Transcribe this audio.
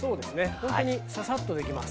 ほんとにササッとできます。